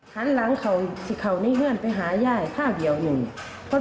หันหลังเขาสิเขานี่เฮือนไปหาย่ายข้าวเดียวหนึ่ง